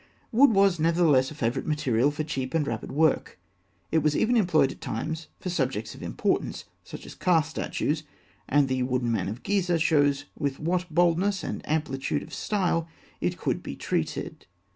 Wood was, nevertheless, a favourite material for cheap and rapid work. It was even employed at times for subjects of importance, such as Ka statues; and the Wooden Man of Gizeh shows with what boldness and amplitude of style it could be treated.